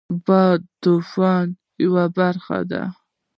باد د طوفان یو برخه ده